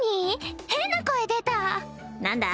変な声出た何だ？